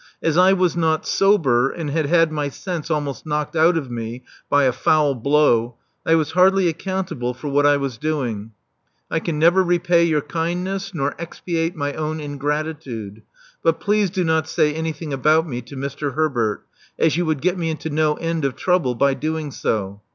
As I was not sober and had had my sense almost knocked out of me by a foul blow, I was hardly accountable for what I was doing. I can never repay your kindness nor expiate my own ingratitude; but please do not say anything about me to Mr. Herbert, as you would get me into no end of trouble by doing so.